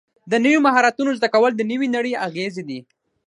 د نویو مهارتونو زده کول د نوې نړۍ اغېزې دي.